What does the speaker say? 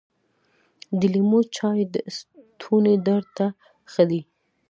د لیمو چای د ستوني درد ته ښه دي .